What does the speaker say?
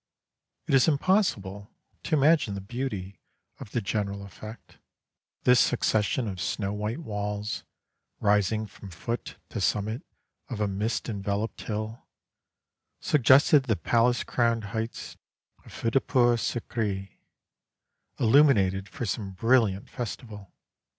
It is impossible to imagine the beauty of the general effect: this succession of snow white walls, rising from foot to summit of a mist enveloped hill, suggested the palace crowned heights of Futtepur Síkri, illuminated for some brilliant festival.